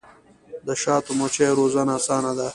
د شاتو مچیو روزنه اسانه ده؟